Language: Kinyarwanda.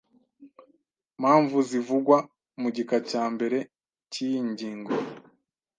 mpamvu zivugwa mu gika cya mbere cy iyi ngingo